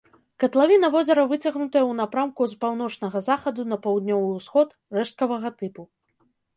Катлавіна возера выцягнутая ў напрамку з паўночнага захаду на паўднёвы ўсход, рэшткавага тыпу.